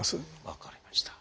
分かりました。